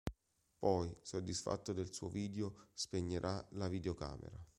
Poi, soddisfatto del suo video, spegnerà la videocamera.